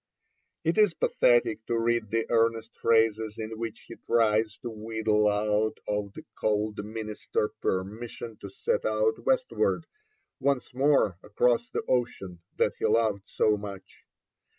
It is pathetic to read the earnest phrases in which he tries to wheedle out of the cold Minister permission to set out westward once more across the ocean that he loved so much.